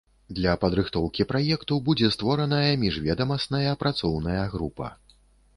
Для падрыхтоўкі праекту будзе створаная міжведамасная працоўная група.